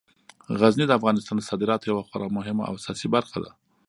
غزني د افغانستان د صادراتو یوه خورا مهمه او اساسي برخه ده.